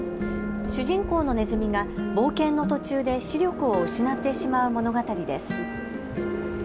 主人公のねずみが冒険の途中で視力を失ってしまう物語です。